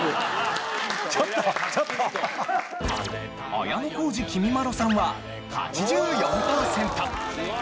綾小路きみまろさんは８４パーセント。